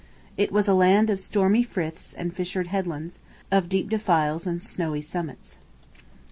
It was a land of stormy friths and fissured headlands, of deep defiles and snowy summits.